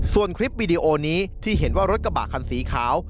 ส่วนคลิปวีดีโอนี้ที่เห็นว่ารถกระบะคันสีขาว